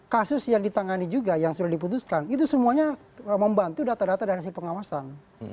kasus yang ditangani juga yang sudah diputuskan itu semuanya membantu data data dan hasil pengawasan